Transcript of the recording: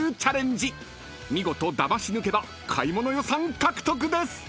［見事だまし抜けば買い物予算獲得です］